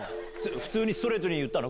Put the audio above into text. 普通にストレートに言ったの？